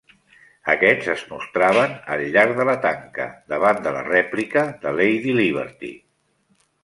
Aquests es mostraven al llarg de la tanca davant de la rèplica de "Lady Liberty".